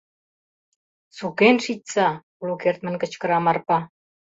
— Сукен шичса! — уло кертмын кычкыра Марпа.